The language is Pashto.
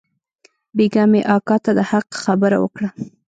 بيگاه مې اکا ته د حق خبره وکړه.